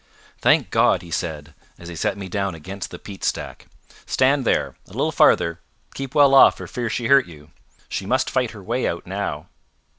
"Thank God!" he said, as he set me down against the peat stack. "Stand there. A little farther. Keep well off for fear she hurt you. She must fight her way out now."